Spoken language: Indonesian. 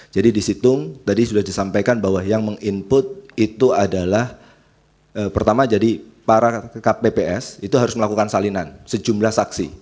jadi di situng tadi sudah disampaikan bahwa yang meng input itu adalah pertama jadi para kpps itu harus melakukan salinan sejumlah saksi